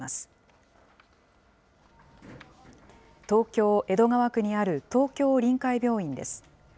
東京・江戸川区にある東京臨海病院です。